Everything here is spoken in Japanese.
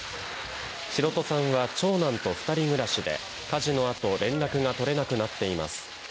白戸さんは長男と２人暮らしで、火事の後、連絡が取れなくなっています。